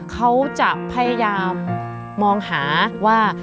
เขาจะพยายามมองหาว่า